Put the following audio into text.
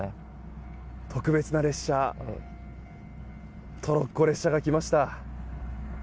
特別な列車トロッコ列車が来ました。